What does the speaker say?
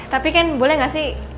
tapi kan boleh gak sih